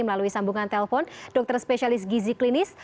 melalui sambungan telpon dokter spesialis gizi klinis